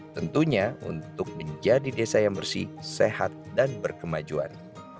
tentunya untuk menjadi desa yang bersih sehat dan berkemajuan